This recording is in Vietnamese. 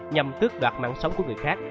nhằm tước đoạt mạng sống của người khác